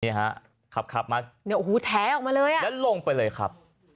ฮะขับขับมาเนี่ยโอ้โหแท้ออกมาเลยอ่ะแล้วลงไปเลยครับ